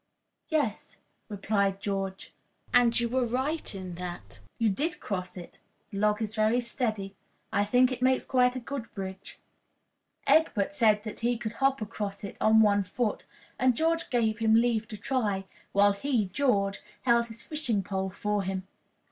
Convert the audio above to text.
"Yes," replied George, "and you were right in that. You did cross it. The log is very steady. I think it makes quite a good bridge." Egbert said he could hop across it on one foot, and George gave him leave to try, while he, George, held his fishing pole for him.